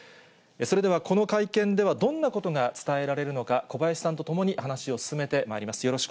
それではこの会見ではどんなことが伝えられるのか、小林さんとともに話を進めてまいります。